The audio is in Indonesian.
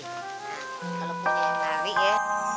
nah kalau punya yang mawi ya